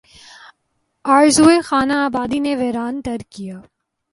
آرزوئے خانہ آبادی نے ویراں تر کیا